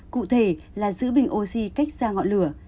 cụ thể là giữ bình oxy cách xa ngọn lửa